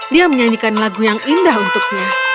dia menyanyikan lagu yang indah untuknya